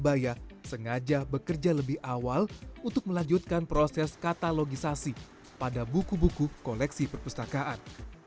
mereka menjalankan proses katalogisasi pada buku buku koleksi perpustakaan